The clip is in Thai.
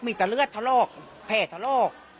มีแต่เลือดทะโลกแผ่ทะโลก